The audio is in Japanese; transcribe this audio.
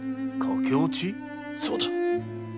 そうだ。